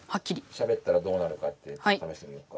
しゃべったらどうなるかってためしてみようか。